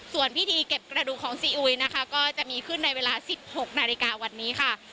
ส่วนพิธีเก็บกระดูกของซีอุยนะคะก็จะมีขึ้นในเวลา๑๖นาฬิกาวันนี้ค่ะ